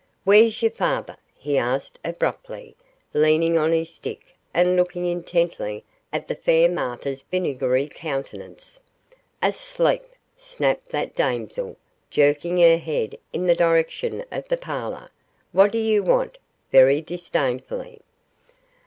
'Where's your father?' he asked, abruptly, leaning on his stick and looking intently at the fair Martha's vinegary countenance. 'Asleep!' snapped that damsel, jerking her head in the direction of the parlour; 'what do you want?' very disdainfully.